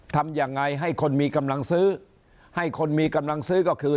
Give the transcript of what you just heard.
ทำยังไงให้คนมีกำลังซื้อให้คนมีกำลังซื้อก็คือ